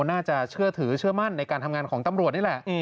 น่าจะเชื่อถือเชื่อมั่นในการทำงานของตำรวจนี่แหละ